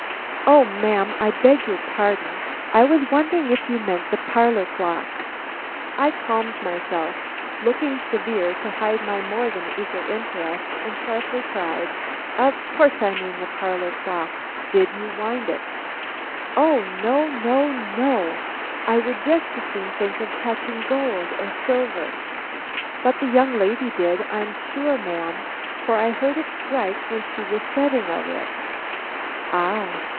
"O ma'am, I beg your pardon. I was wondering if you meant the parlor clock." I calmed myself, looked severe to hide my more than eager interest, and sharply cried: "Of course I mean the parlor clock. Did you wind it?" "O no, no, no, I would as soon think of touching gold or silver. But the young lady did, I'm sure, ma'am, for I heard it strike when she was setting of it." Ah!